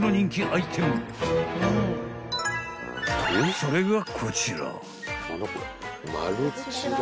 ［それがこちら］